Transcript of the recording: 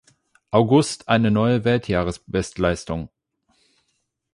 August eine neue Weltjahresbestleistung.